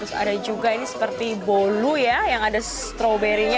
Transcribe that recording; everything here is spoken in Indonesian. terus ada juga ini seperti bolu ya yang ada stroberinya